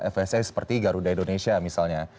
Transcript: fsa seperti garuda indonesia misalnya